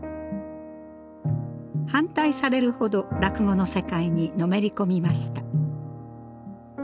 反対されるほど落語の世界にのめり込みました。